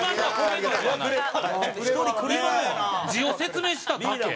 字を説明しただけ。